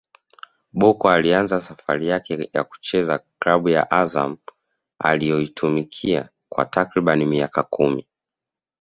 Bocco alianza safari yake ya michezo klabu ya Azam aliyoitumikia kwa takriban miaka kumi